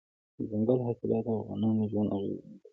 دځنګل حاصلات د افغانانو ژوند اغېزمن کوي.